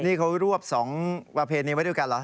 นี่เขารวบ๒ประเพณีไว้ด้วยกันเหรอ